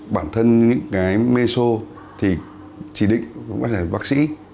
bản thân những cái meso thì chỉ định không phải là bác sĩ